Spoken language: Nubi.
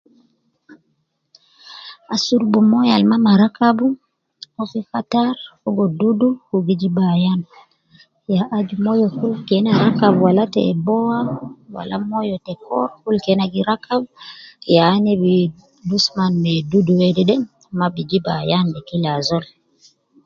Asurubu moyo al maa marakabu o fi khatar fogo dudu wu gi jib ayan. ya aju moyo kul keena gi rakabu wala tebowa wala moyo te koor kul kena rakabu ya ina bi dusman ma dudu wedede mma bi jib ayan ne kila azol.